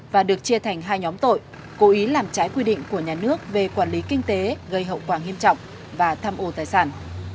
và được chia thành hai nhóm tội cố ý làm trái quy định của nhà nước về quản lý kinh tế gây hậu quả nghiêm trọng và tham ô tài sản